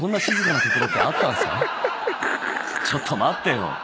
ちょっと待ってよ！